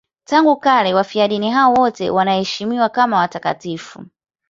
Tangu kale wafiadini hao wote wanaheshimiwa kama watakatifu.